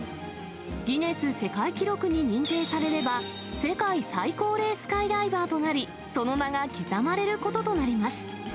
ギネス世界記録に認定されれば、世界最高齢スカイダイバーとなり、その名が刻まれることとなります。